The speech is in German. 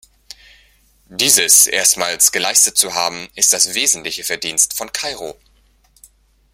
Dieses erstmals geleistet zu haben, ist das wesentliche Verdienst von Kairo.